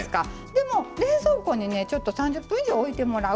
でも冷蔵庫にちょっと３０分以上おいてもらう。